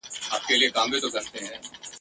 که د کلماتو له پلوه ورته وکتل سي !.